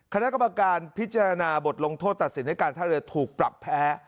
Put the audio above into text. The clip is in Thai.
คณะกรรมการพิจารณาบทลงโทษตัดสินให้การท่าเรือถูกปรับแพ้